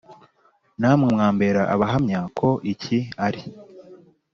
namwe mwambera abahamya ko iki ari